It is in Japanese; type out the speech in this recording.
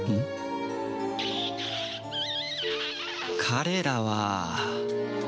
彼らは